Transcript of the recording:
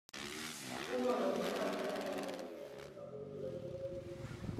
Vyombo na vifaa vinavyahitajika kupika uji wa viazi lishe